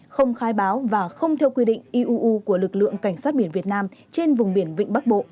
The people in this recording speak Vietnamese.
không khai báo và không theo quy định iuu của lực lượng cảnh sát biển việt nam trên vùng biển vịnh bắc bộ